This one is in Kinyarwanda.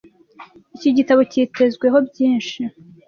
iki igitabo Cyitezweho byinshi